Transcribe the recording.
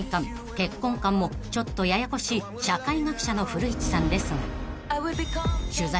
結婚観もちょっとややこしい社会学者の古市さんですが取材中